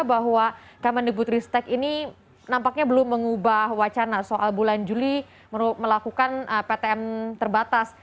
bahwa kemendebut ristek ini nampaknya belum mengubah wacana soal bulan juli melakukan ptm terbatas